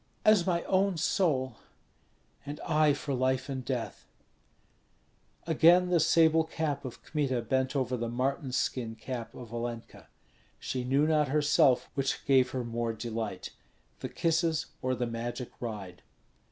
"As my own soul." "And I for life and death." Again the sable cap of Kmita bent over the marten skin cap of Olenka. She knew not herself which gave her more delight, the kisses or the magic ride.